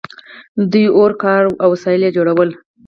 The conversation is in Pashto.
دوی اور کاراوه او وسایل یې جوړول.